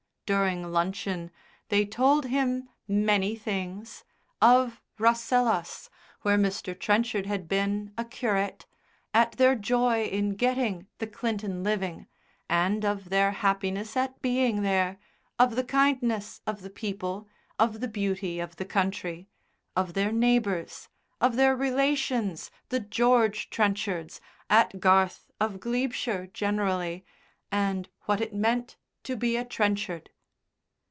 During luncheon they told him many things, of Rasselas, where Mr. Trenchard had been a curate, at their joy at getting the Clinton living, and of their happiness at being there, of the kindness of the people, of the beauty of the country, of their neighbours, of their relations, the George Trenchards, at Garth of Glebeshire generally, and what it meant to be a Trenchard.